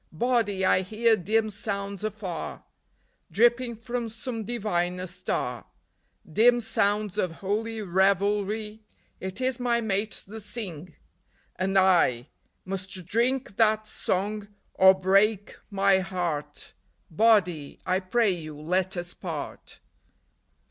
" Body, I hear dim sounds afar, Dripping from some diviner star ; Dim sounds of holy revelry : It is my mates that sing, and I 47 48 THE STRUGGLE. Must drink that song or break my heart ; Body, I pray you, let us part.